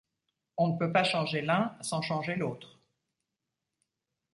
On ne peut pas changer l'un sans changer l'autre.